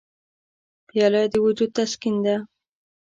پیاله د وجود تسکین ده.